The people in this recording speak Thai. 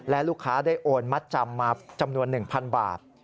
และลูกค้าได้โอนมัดจำมาจำนวน๑๐๐๐บาท